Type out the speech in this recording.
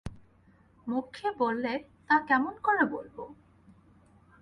মক্ষী বললে, তা কেমন করে বলব!